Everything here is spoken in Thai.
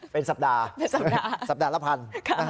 เป็นสัปดาห์สัปดาห์ละ๑๐๐๐บาท